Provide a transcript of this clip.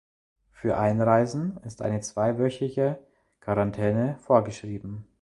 Für Einreisen ist eine zweiwöchige Quarantäne vorgeschrieben.